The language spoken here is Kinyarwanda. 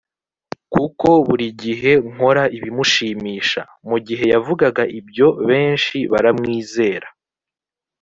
kuko buri gihe nkora ibimushimisha mu gihe yavugaga ibyo benshi baramwizera